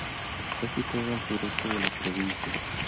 Está situado al sureste de la provincia.